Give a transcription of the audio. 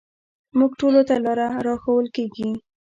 موږ ټولو ته لاره راښوول کېږي.